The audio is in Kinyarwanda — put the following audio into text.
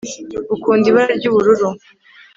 ukunda ibara ry'ubururu